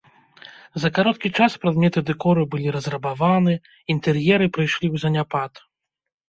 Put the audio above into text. За кароткі час прадметы дэкору былі разрабаваны, інтэр'еры прыйшлі ў заняпад.